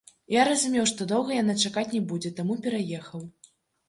Я разумеў, што доўга яна чакаць не будзе, таму пераехаў.